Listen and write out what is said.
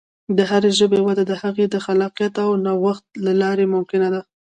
د ژبې وده د هغې د خلاقیت او نوښت له لارې ممکنه ده.